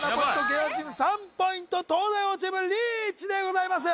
芸能人チーム３ポイント東大王チームリーチでございます